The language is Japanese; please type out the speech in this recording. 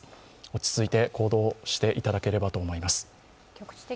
落ち着いて行動していただければと思います。